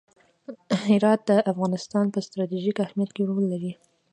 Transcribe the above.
هرات د افغانستان په ستراتیژیک اهمیت کې رول لري.